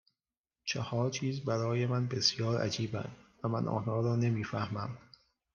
چهار چیز برای من بسیار عجیبند و من آنها را نمیفهمم